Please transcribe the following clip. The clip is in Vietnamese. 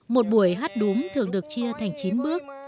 một buổi hát đúm thường được chia thành chín bước